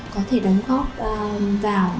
có thể đóng góp vào